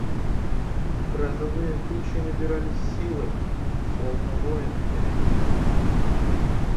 Грозовые тучи набирались силой, словно воин перед битвой.